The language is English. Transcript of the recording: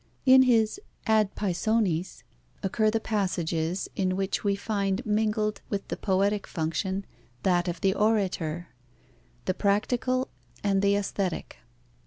In his Ad Pisones occur the passages, in which we find mingled with the poetic function, that of the orator the practical and the aesthetic.